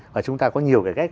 và chúng ta có nhiều cải cách